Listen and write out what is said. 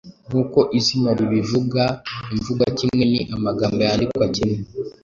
Nk’uko izina ribivuga imvugwakimwe ni amagambo yandikwa kimwe